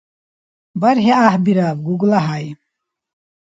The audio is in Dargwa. БархӀи гӀяхӀбираб, ГуглахӀяй!